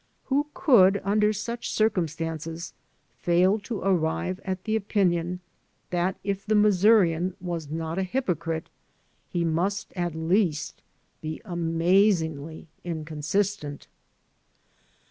Who could under such circiunstances fail to arrive at the opinion that if the Missourian was not a hypocrite he must at least be amazingly inconsistent?